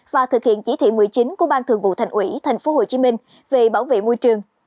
và thực hiện chỉ thị một mươi chín của ban thường vụ thành ủy tp hcm về bảo vệ môi trường